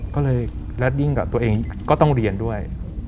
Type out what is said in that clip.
ก็เลยแลดดิ้งกับตัวเองก็ต้องเรียนด้วย